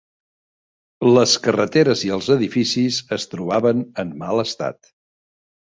Les carreteres i els edificis es trobaven en mal estat